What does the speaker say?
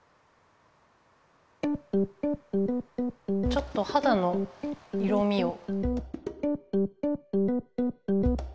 ちょっとはだの色みを。